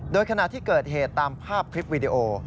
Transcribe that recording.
โดยขณะที่เกิดเหตุตามภาพคลิปวิดีโอ